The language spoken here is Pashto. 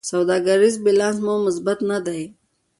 سوداګریز بیلانس مو مثبت نه دی.